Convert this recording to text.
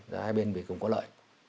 rồi hai bên cũng có lợi